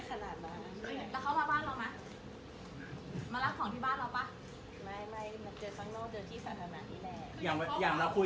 คุณแม่อย่างเงี้ยคุณแม่ทราบ